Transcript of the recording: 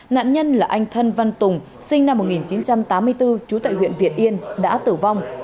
nạn nhân là anh thân văn tùng sinh năm một nghìn chín trăm tám mươi bốn trú tại huyện việt yên đã tử vong